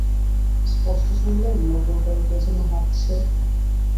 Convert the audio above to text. স্পষ্ট শুনলেন নূপুর পায়ে কে যেন হাঁটছে।